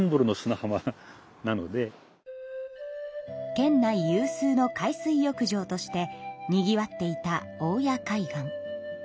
県内有数の海水浴場としてにぎわっていた大谷海岸。